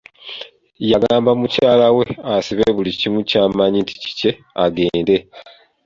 Yagamba mukyala we asibe buli kimu ky'amanyi nti kikye agende.